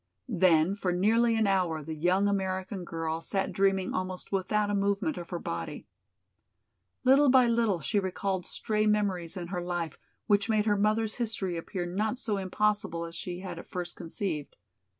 Then for nearly an hour the young American girl sat dreaming almost without a movement of her body. Little by little she recalled stray memories in her life which made her mother's history appear not so impossible as she had at first conceived.